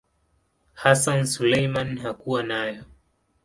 Hassan Suleiman hakuwa nayo.